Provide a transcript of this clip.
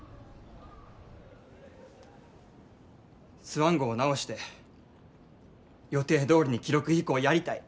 スワン号を直して予定どおりに記録飛行やりたい。